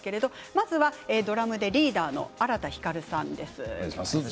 まずはドラムでリーダーの荒田洸さんです。